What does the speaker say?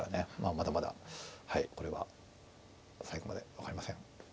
まだまだこれは最後まで分かりません。